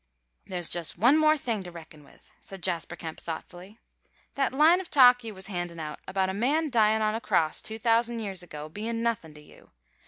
"There's just one more thing to reckon with," said Jasper Kemp, thoughtfully. "That line of talk you was handin' out about a man dyin' on a cross two thousand years ago bein' nothin' to you.